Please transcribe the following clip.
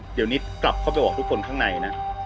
เดี๋ยวนิดกลับเข้าไปบอกทุกคนข้างในนะ